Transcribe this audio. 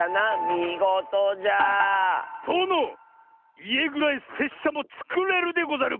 みごとじゃ！とのいえぐらいせっしゃもつくれるでござる！